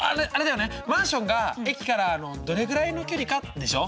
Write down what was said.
マンションが駅からどれぐらいの距離か？でしょ。